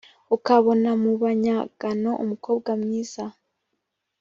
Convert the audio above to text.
ukabona mu banyagano umukobwa mwiza